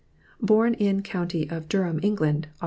born in county of Durham, England, Aug.